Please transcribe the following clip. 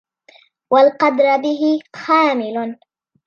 وَالْقَدْرَ بِهِ خَامِلٌ